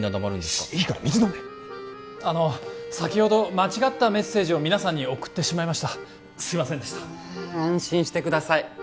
シッいいから水飲めあの先ほど間違ったメッセージを皆さんに送ってしまいましたすいませんでした安心してください